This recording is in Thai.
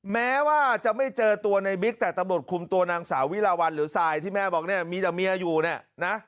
แม้ว่าจะไม่เจอตัวในบิ๊กแต่ตำรวจคุมตัวนางสาววิลาวันหรือทรายที่แม่บอกเนี่ยมีแต่เมียอยู่เนี่ยนะ